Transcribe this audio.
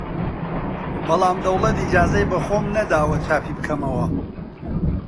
بەڵام دەوڵەت ئیجازەی بە خۆم نەداوە چاپی بکەمەوە!